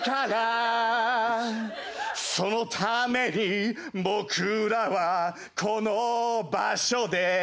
「そのために僕らはこの場所で」